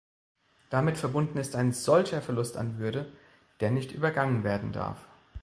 Damit verbunden ist ein solcher Verlust an Würde, der nicht übergangen werden darf.